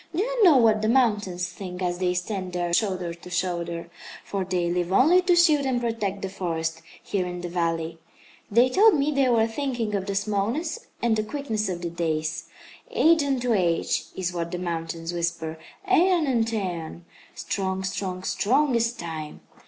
Do you know what the mountains think, as they stand there shoulder to shoulder for they live only to shield and protect the forest, here in the valley. They told me they were thinking of the smallness and the quickness of the days. 'Age unto age!' is what the mountains whisper. 'Æon unto æon! Strong, strong, strong is Time!'